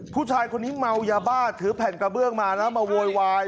ผู้ชายคนนี้เมายาบ้าถือแผ่นกระเบื้องมาแล้วมาโวยวาย